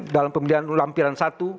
dalam pemilihan lampiran satu